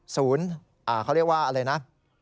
ศูนย์เขาเรียกว่าอะไรนะ